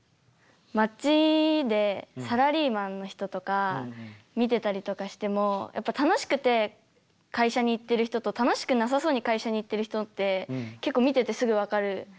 街でサラリーマンの人とか見てたりとかしてもやっぱり楽しくて会社に行っている人と楽しくなさそうに会社に行っている人って結構見ててすぐ分かる。